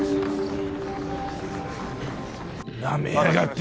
なめやがって！